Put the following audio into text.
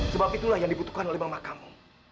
sebab itulah yang dibutuhkan oleh mama kamu